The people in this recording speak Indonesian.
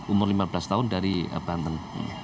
umur lima belas tahun dari banten